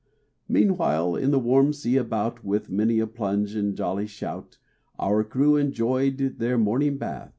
Meanwhile, in the warm sea about, With many a plunge and jolly shout, Our crew enjoyed their morning bath.